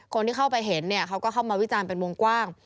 คนที่เข้าไปเห็นเขาก็เข้ามาวิจารณ์เป็นวงกว้าง